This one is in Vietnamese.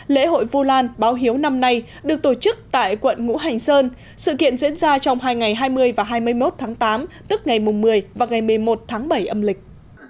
lễ hội vu lan báo hiếu năm nay được tổ chức tại quận ngũ hành sơn sự kiện diễn ra trong hai ngày hai mươi và hai mươi một tháng tám tức ngày một mươi và ngày một mươi một tháng bảy âm lịch